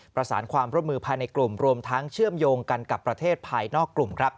ประสานความร่วมมือภายในกลุ่มรวมทั้งเชื่อมโยงกันกับประเทศภายนอกกลุ่มครับ